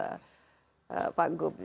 tahun politik nih pak gub